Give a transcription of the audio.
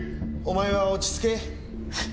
お前は落ち着け。